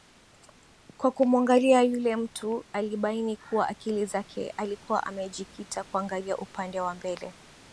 Kwa kumuangalia yule mtu alibaini kuwa akili zake alikuwa amejikita kuangalia upande wa mbele